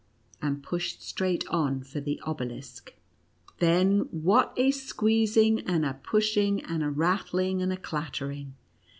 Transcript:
and pushed straight on for the obelisk. Then what a squeezing, and a pushing, and a rattling, and a clattering.